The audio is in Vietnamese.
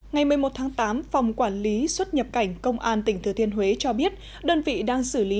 ngày một mươi một tháng tám phòng quản lý xuất nhập cảnh công an tỉnh thừa thiên huế cho biết đơn vị đang xử lý